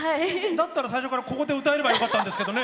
だったら最初からここで歌えればよかったんですけどね。